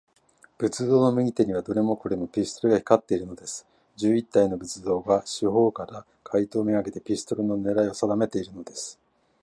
仏像の右手には、どれもこれも、ピストルが光っているのです。十一体の仏像が、四ほうから、怪盗めがけて、ピストルのねらいをさだめているのです。